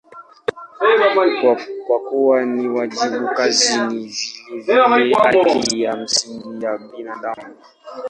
Kwa kuwa ni wajibu, kazi ni vilevile haki ya msingi ya binadamu.